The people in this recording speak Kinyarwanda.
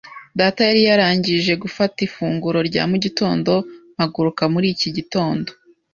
Data yari yarangije gufata ifunguro rya mu gitondo mpaguruka muri iki gitondo.